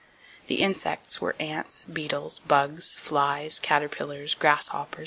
The insects were ants, beetles, bugs, flies, caterpillars, grasshoppers and a few spiders.